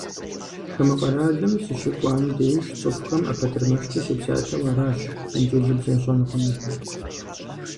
Хамэ къаралым сыщыкӏуам деж цӏыхухэм ӏэпэтэрмэшкӏэ сепсалъэу аращ, инджылыбзэ сщӏэркъыми.